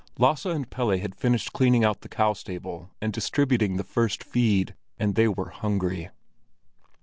Lasse and Pelle had finished cleaning out the cow stable and distributing the first feed, and they were hungry.